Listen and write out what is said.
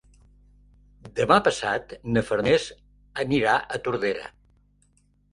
Demà passat na Farners anirà a Tordera.